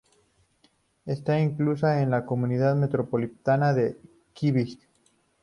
Está inclusa en la Comunidad Metropolitana de Quebec.